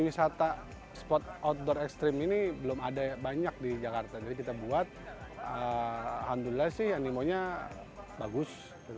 wisata sport outdoor extreme ini belum ada banyak di jakarta jadi kita buat handulasi animonya bagus